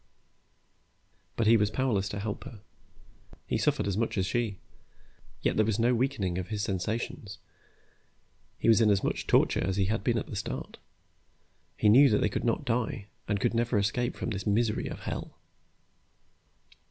But he was powerless to help her. He suffered as much as she. Yet there was no weakening of his sensations; he was in as much torture as he had been at the start. He knew that they could not die and could never escape from this misery of hell.